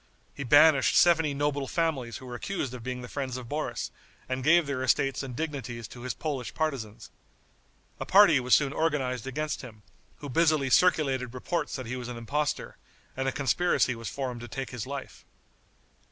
He banished seventy noble families who were accused of being the friends of Boris, and gave their estates and dignities to his Polish partisans. A party was soon organized against him, who busily circulated reports that he was an impostor, and a conspiracy was formed to take his life.